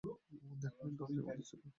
দেখনি দরজায় বন্ধ ছিল।